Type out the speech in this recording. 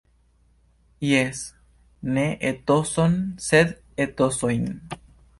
Jes, ne etoson, sed etosojn.